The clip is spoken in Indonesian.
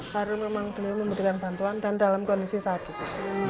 baru memang beliau memberikan bantuan dan dalam kondisi satu